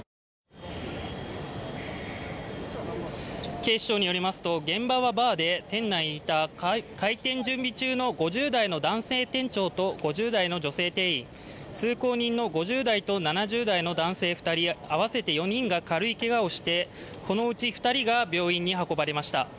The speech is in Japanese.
警視庁によりますと、現場はバーで店内にいた開店準備中の５０代の男性店長と５０代の女性店員、通行人の５０代と７０代の男性２人、合わせて４人が軽いけがをしてこのうち２人が病院に運ばれました。